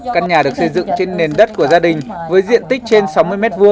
căn nhà được xây dựng trên nền đất của gia đình với diện tích trên sáu mươi m hai